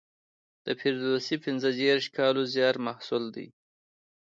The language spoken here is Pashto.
د فردوسي پنځه دېرش کالو زیار محصول دی.